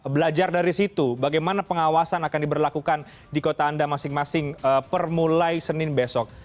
belajar dari situ bagaimana pengawasan akan diberlakukan di kota anda masing masing permulai senin besok